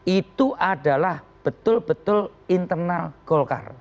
itu adalah betul betul internal golkar